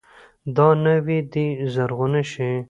دا ناوې دې زرغونه شي.